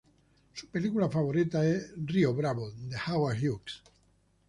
Su película favorita es Río Bravo, de Howard Hawks.